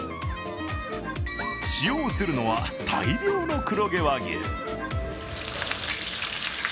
使用するのは大量の黒毛和牛。